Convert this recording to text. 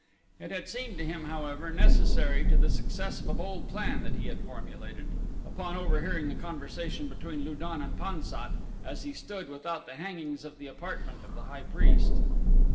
It had seemed to him, however, necessary to the success of a bold plan that he had formulated upon overhearing the conversation between Lu don and Pan sat as he stood without the hangings of the apartment of the high priest.